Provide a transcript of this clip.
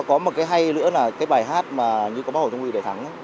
mà nó có một cái hay nữa là cái bài hát những của bá hồ chúng mưu để thắng